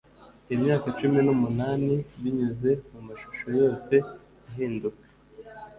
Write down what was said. iyi myaka cumi n'umunani, binyuze mumashusho yose ahinduka